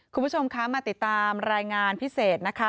คุณผู้ชมคะมาติดตามรายงานพิเศษนะคะ